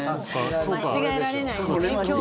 間違えられないですね。